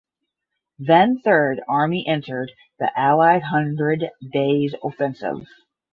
Then Third Army entered the Allied Hundred Days Offensive.